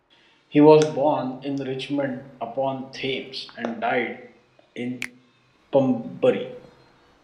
He was born in Richmond-upon-Thames and died in Pembury.